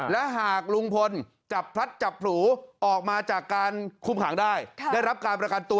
และหากลุงพลจับพลัดจับผลูออกมาจากการคุมขังได้ได้รับการประกันตัว